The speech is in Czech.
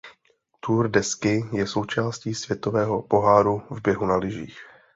Tour de Ski je součástí Světového poháru v běhu na lyžích.